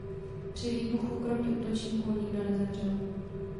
Při výbuchu kromě útočníků nikdo nezemřel.